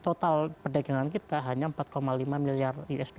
dua ribu tiga total perdagangan kita hanya empat lima miliar usd